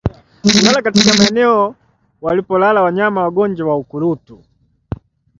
Kulala katika maeneo walipolala wanyama wagonjwa wa ukurutu